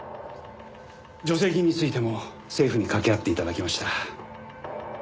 助成金についても政府に掛け合って頂きました。